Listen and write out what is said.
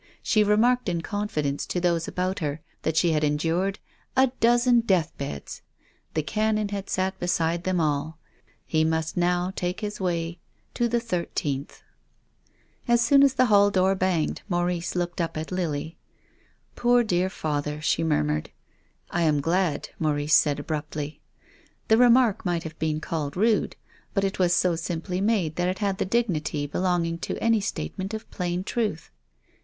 She remarked in con fidence to those about her, that she had endured " a dozen deathbeds." The Canon had sat be side them all. He must now take his way to the thirteenth. THE DEAD CHILD. 201 As soon as the hall door banged Maurice looked up at Lily. " Poor, dear father," she murmured. " I am glad," Maurice said abruptly. The remark might have been called rude, but it was so simply made that it had the dignity belonging to any statement of plain truth.